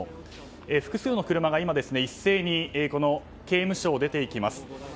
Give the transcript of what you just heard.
複数の車が一斉に刑務所を出ていきます。